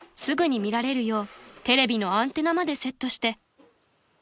［すぐに見られるようテレビのアンテナまでセットして］